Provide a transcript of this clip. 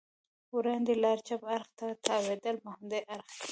وړاندې لار چپ اړخ ته تاوېدل، په همدې اړخ کې.